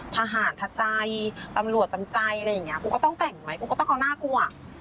ทหารทะใจตำรวจตำใจอะไรอย่างนี้กูก็ต้องแต่งไว้กูก็ต้องเอาน่ากลัว